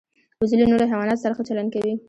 وزې له نورو حیواناتو سره ښه چلند کوي